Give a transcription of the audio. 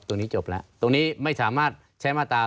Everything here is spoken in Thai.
เมื่อส่งคำให้การ